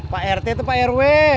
pak rt itu pak rw